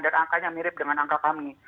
dan angkanya mirip dengan angka kami